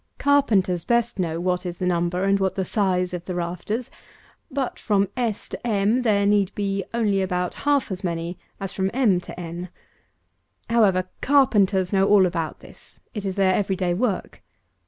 Carpenters best know what is the number and what the size of the rafters; but from s to m there need be only about half as many as from m to n. However, carpenters know all about this. It is their every day work.